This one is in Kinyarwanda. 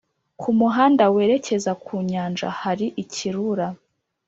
ku muhanda werekeza ku Nyanja hari icyirura